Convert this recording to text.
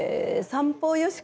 三方よし。